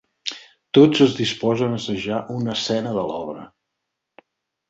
Tots es disposen a assajar una escena de l'obra.